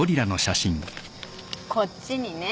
こっちにね。